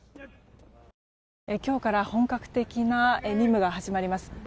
今日から本格的な任務が始まります。